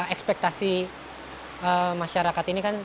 ekspektasi masyarakat ini kan